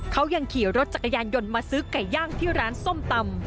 เขายังขี่รถจักรยานยนต์มาซื้อไก่ย่างที่ร้านส้มตำ